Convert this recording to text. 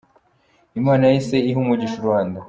Imana yahise iha umugisha u Rwanda.